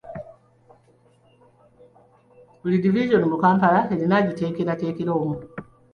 Buli diviizoni mu Kampala erina agiteekerateekera omu.